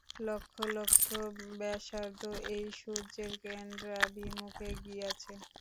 লক্ষ লক্ষ ব্যাসার্ধ এক সূর্যের কেন্দ্রাভিমুখে গিয়াছে।